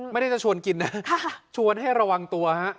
ไม่ได้จะชวนกินนะชวนให้ระวังตัวฮะ